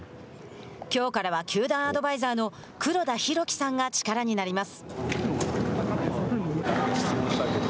きょうからは球団アドバイザーの黒田博樹さんが力になります。